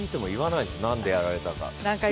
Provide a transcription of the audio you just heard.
なんで、やられたか。